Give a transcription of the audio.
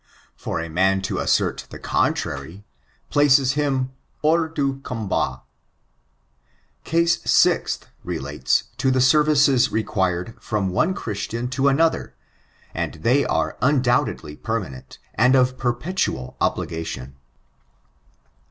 For a man to assert the contrary, places him hors du combat. Case sixth, relates to the services required from one Christian to another, and they are undoubtedly permanent, and of perpetual obligation.